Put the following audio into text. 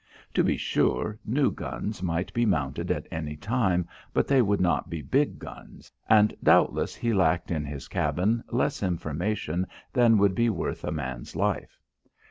To be sure, new guns might be mounted at any time, but they would not be big guns, and doubtless he lacked in his cabin less information than would be worth a man's life.